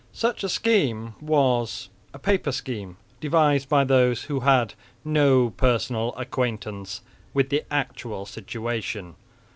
Such a scheme was a paper scheme, devised by those who had no personal acquaintance with the actual situation.